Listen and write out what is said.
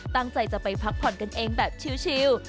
ตั้งใจจะไปพักผ่อนกันเองแบบชิล